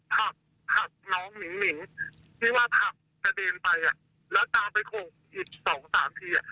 ผักผักน้องหมิ่งหมิ่งที่ว่าผักจะเดินไปอ่ะแล้วตามไปโครงอีกสองสามทีอ่ะ